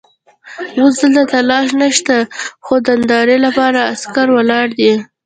اوس دلته تالاشۍ نشته خو د نندارې لپاره عسکر ولاړ دي.